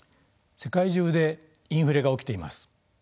世界中でインフレが起きています。